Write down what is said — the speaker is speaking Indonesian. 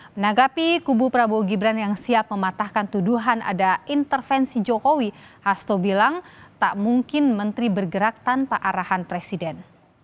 menanggapi kubu prabowo gibran yang siap mematahkan tuduhan ada intervensi jokowi hasto bilang tak mungkin menteri bergerak tanpa arahan presiden